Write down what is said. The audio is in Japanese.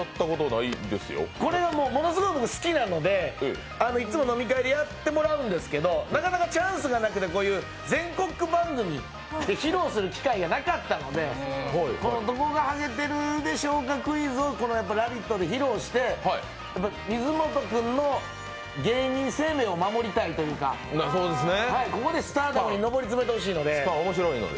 これはものすごく好きなので、いつも飲み会でやってもらうんですけど、なかなかチャンスがなくて、全国番組で披露する機会がなかったので、「どこがハゲているでしょうかクイズ」を「ラヴィット！」で披露して、水本君の芸人生命を守りたいというか、ここでスターダムに上りつめてほしいので。